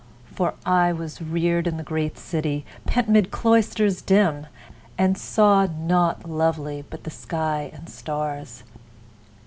For I was reared In the great city, pent 'mid cloisters dim, And saw nought lovely but the sky and stars.